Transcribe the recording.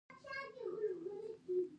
آیا موږ عزت غواړو؟